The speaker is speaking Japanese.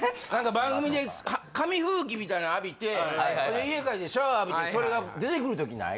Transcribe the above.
番組で紙吹雪みたいなの浴びて家帰ってシャワー浴びてそれが出てくる時ない？